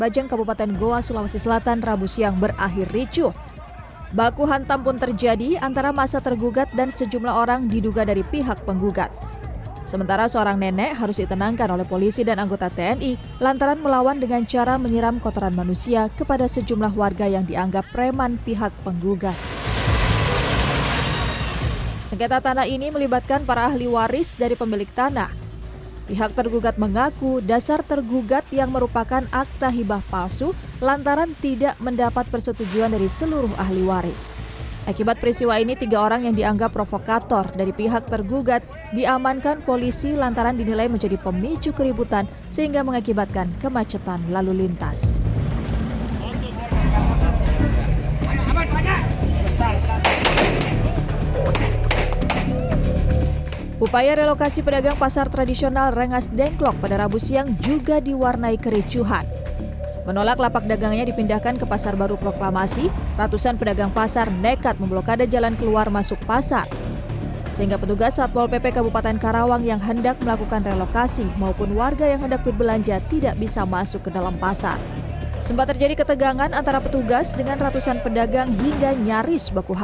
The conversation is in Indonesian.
jangan lupa like share dan subscribe channel ini untuk dapat info terbaru